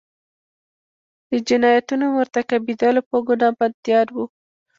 د جنایتونو مرتکبیدلو په ګناه بندیان وو.